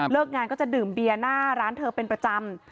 งานก็จะดื่มเบียร์หน้าร้านเธอเป็นประจำ